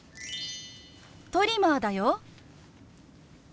トリマーだよ。